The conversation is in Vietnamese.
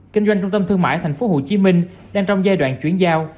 kinh doanh trung tâm thương mại tp hcm đang trong giai đoạn chuyển giao